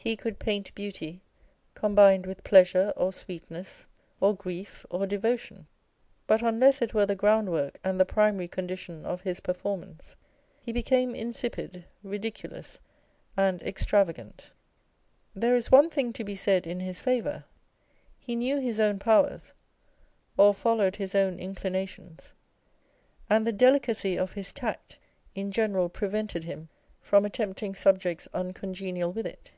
He could paint beauty combined with pleasure or sweetness, or grief, or devotion ; but unless it were the groundwork and the primary condition of his performance, he became insipid, ridiculous, and extrava gant. There is one thing to be said in his favour â€" he knew his own powers or followed his own inclinations ; and the delicacy of his tact in general prevented him from attempting subjects uncongenial with it.